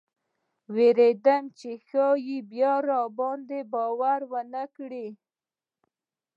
ویرېدم چې ښایي بیا راباندې باور ونه کړي.